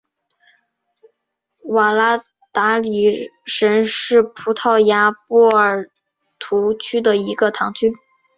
瓦拉达里什是葡萄牙波尔图区的一个堂区。